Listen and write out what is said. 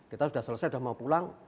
kita sudah selesai sudah mau pulang